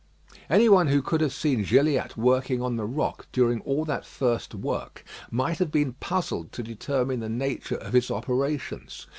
Any one who could have seen Gilliatt working on the rock during all that first work might have been puzzled to determine the nature of his operations.